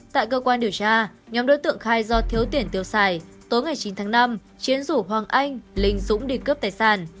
tại cơ quan điều tra nhóm đối tượng khai do thiếu tiền tiêu xài tối ngày chín tháng năm chiến rủ hoàng anh linh dũng đi cướp tài sản